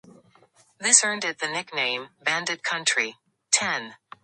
This earned it the nickname "Bandit Country".